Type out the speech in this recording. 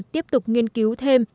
tiếp tục nghiên cứu thêm